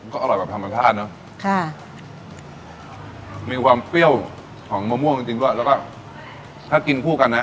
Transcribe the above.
ก็อร่อยแบบธรรมชาติเนอะค่ะมีความเปรี้ยวของมะม่วงจริงจริงด้วยแล้วก็ถ้ากินคู่กันนะ